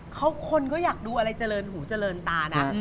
เขาคนก็อยากดูอะไรเจริญหูเจริญตานะ